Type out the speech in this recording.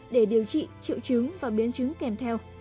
để điều trị triệu chứng và biến chứng kèm theo